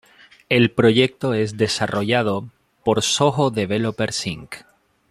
El proyecto es desarrollado por Soho Developers Inc.